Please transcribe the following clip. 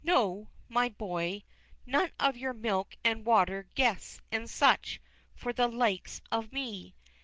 No, my boy! none of your milk and water "guests," and such, for the likes of me!